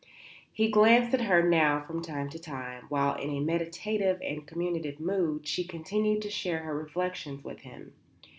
He glanced at her now from time to time, while, in a meditative and communicative mood, she continued to share her reflections with him.